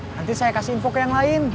nanti saya kasih info ke yang lain